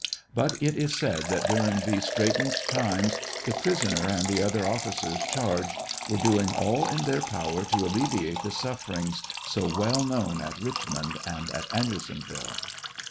But it is said that during these straitened times the prisoner and the other officers charged were doing all in their power to alleviate the sufferings, so well known at Richmond and at Andersonville.